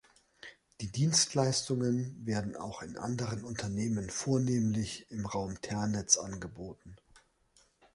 Die Dienstleistungen werden auch anderen Unternehmen vornehmlich im Raum Ternitz angeboten.